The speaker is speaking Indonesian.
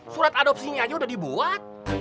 surat adopsinya aja udah dibuat